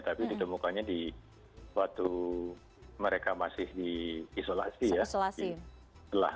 tapi ditemukannya di waktu mereka masih di isolasi ya